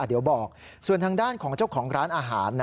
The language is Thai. เดี๋ยวบอกส่วนทางด้านของเจ้าของร้านอาหาร